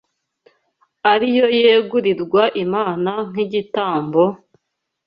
ari yo yegurirwa Imana nk’igitambo,